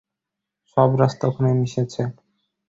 সব রাস্তা ওখানে মিশেছে।